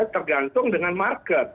tergantung dengan market